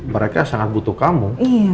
mereka sangat butuh kamu